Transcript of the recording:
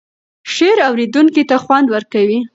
شعر اوریدونکی ته خوند ورکوي.